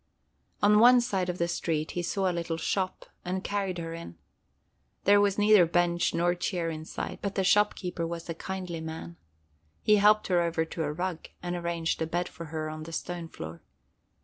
On one side of the street he saw a little shop, and carried her in. There was neither bench nor chair inside, but the shopkeeper was a kindly man. He helped her over to a rug, and arranged a bed for her on the stone floor.